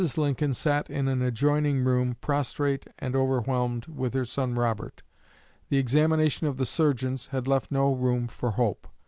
Lincoln sat in an adjoining room, prostrate and overwhelmed, with her son Robert. The examination of the surgeons had left no room for hope.